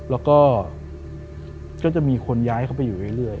แล้วก็ก็จะมีคนย้ายเข้าไปอยู่เรื่อย